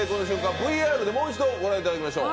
ＶＡＲでもう一度ご覧いただきましょう。